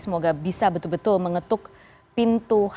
semoga bisa betul betul mengetuk pintu